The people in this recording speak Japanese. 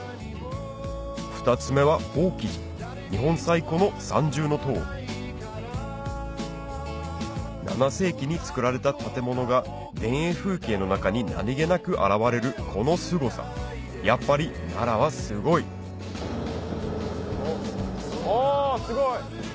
２つ目は法起寺日本最古の三重塔７世紀に造られた建物が田園風景の中に何げなく現れるこのすごさやっぱり奈良はすごいおすごい！